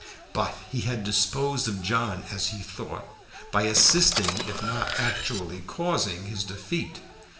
But he had disposed of John, as he thought, by assisting, if not actually causing, his defeat.